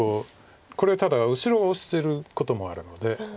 これただ後ろをオシてることもあるので。